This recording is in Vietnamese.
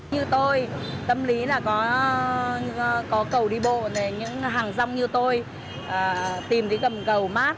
như tôi tâm lý là có cầu đi bộ những hàng rong như tôi tìm cái cầm cầu mát